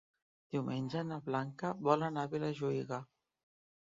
Diumenge na Blanca vol anar a Vilajuïga.